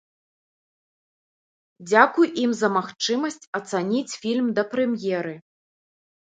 Дзякуй ім за магчымасць ацаніць фільм да прэм'еры.